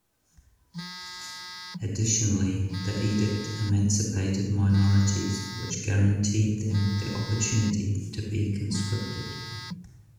Additionally, the edict emancipated minorities, which granted them the opportunity to be conscripted.